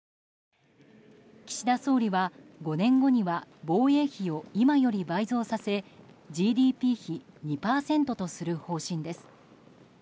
岸田総理は、５年後には防衛費を今より倍増させＧＤＰ比２％とする方針です。